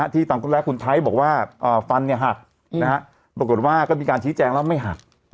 ที่ตอนแรกคุณไทยบอกว่าฟันหักปรากฏว่าก็มีการชี้แจงแล้วไม่หัก